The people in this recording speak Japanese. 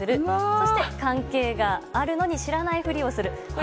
そして、関係があるのに知らないふりをする。